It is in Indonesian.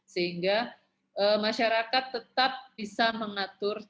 sehingga masyarakat tetap bisa mengatur